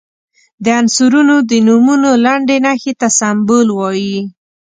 د عنصرونو د نومونو لنډي نښې ته سمبول وايي.